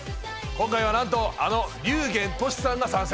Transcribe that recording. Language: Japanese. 今回は何とあの龍玄としさんが参戦。